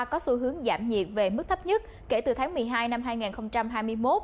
có xu hướng giảm nhiệt về mức thấp nhất kể từ tháng một mươi hai năm hai nghìn hai mươi một